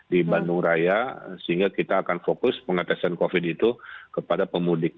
di bandung raya sehingga kita akan fokus pengetesan covid itu kepada pemudik